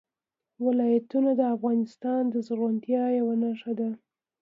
ولایتونه د افغانستان د زرغونتیا یوه نښه ده.